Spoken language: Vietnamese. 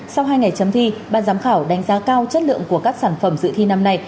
sau hai ngày chấm thi ban giám khảo đánh giá cao chất lượng của các sản phẩm dự thi năm nay